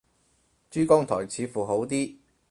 珠江台似乎好啲